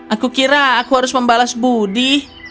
aku kira aku harus membalas budi